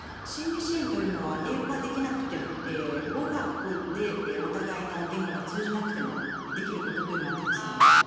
心理支援というのは英語ができなくても語学でお互いの言語が通じなくてもできることというのはたくさんある。